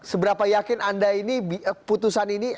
seberapa yakin anda ini putusan ini